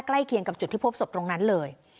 เคียงกับจุดที่พบศพตรงนั้นเลย